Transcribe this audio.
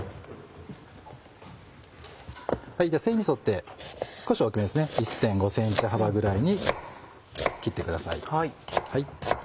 線に沿って少し大きめですね１．５ｃｍ幅ぐらいに切ってください。